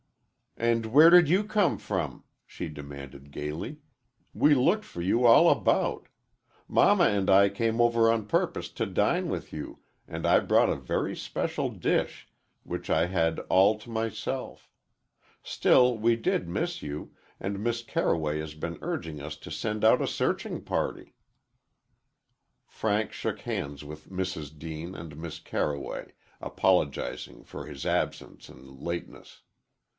"And where did you come from?" she demanded gayly. "We looked for you all about. Mamma and I came over on purpose to dine with you, and I brought a very especial dish, which I had all to myself. Still, we did miss you, and Miss Carroway has been urging us to send out a searching party." Frank shook hands with Mrs. Deane and Miss Carroway, apologizing for his absence and lateness.